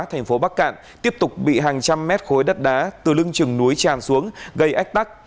thành phố bắc cạn tiếp tục bị hàng trăm mét khối đất đá từ lưng trừng núi tràn xuống gây ách tắc